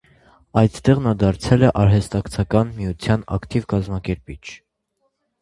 Այդտեղ նա դարձել է արհեստակցական միության ակտիվ կազմակերպիչ։